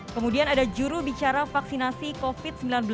kemudian ada jurubicara vaksinasi covid sembilan belas